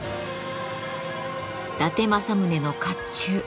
伊達政宗の甲冑。